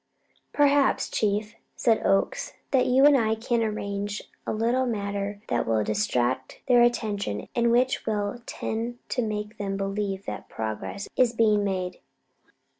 "Perhaps, Chief," said Oakes, "that you and I can arrange a little matter that will distract their attention and which will tend to make them believe that progress is being made."